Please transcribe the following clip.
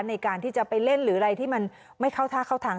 ในการที่จะไปเล่นหรืออะไรที่มันไม่เข้าท่าเข้าทาง